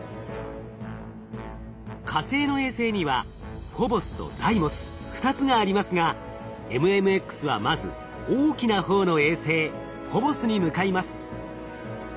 火星の衛星にはフォボスとダイモス２つがありますがＭＭＸはまず大きな方の衛星フォボスに向かいます。